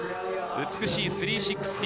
美しい３６０。